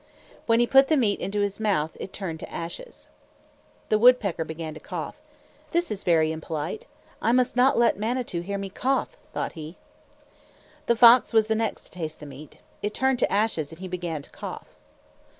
When he put the meat into his mouth, it turned to ashes. The woodpecker began to cough. "This is very impolite; I must not let Manitou hear me cough," thought he. The fox was the next to taste the meat. It turned to ashes, and he began to cough.